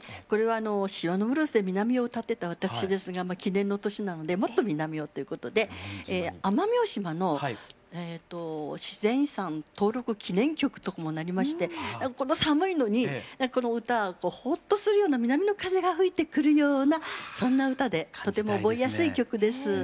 これは「島のブルース」で南を歌ってた私ですが記念の年なのでもっと南をということで奄美大島の自然遺産登録記念曲とかもなりましてこの寒いのにこの歌はほっとするような南の風が吹いてくるようなそんな歌でとても覚えやすい曲です。